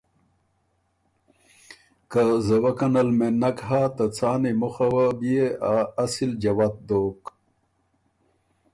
که زوَکن ال مېن نک هۀ که ته څان ای مُخه وه بيې ا اصِل جوت دوک۔